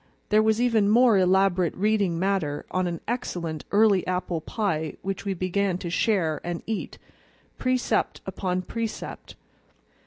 There was even more elaborate reading matter on an excellent early apple pie which we began to share and eat, precept upon precept.